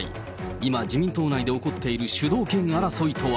今、自民党内で起こっている主導権争いとは。